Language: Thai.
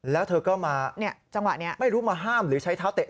แล้วเธอก็มาไม่รู้มาห้ามหรือใช้เท้าเตะ